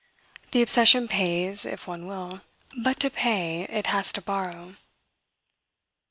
The obsession pays, if one will; but to pay it has to borrow.